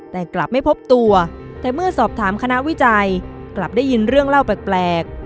แต่กลับไม่พบตัวแต่เมื่อสอบถามคณะวิจัยกลับได้ยินเรื่องเล่าแปลก